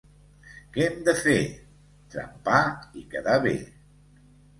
Què hem de fer? —Trempar i quedar bé.